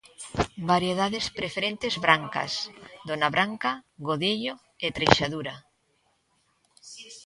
Variedades preferentes brancas: Dona Branca, Godello e Treixadura.